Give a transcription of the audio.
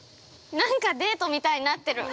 ◆なんかデートみたいになってる。